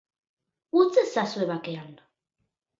Utz ezazue bakean.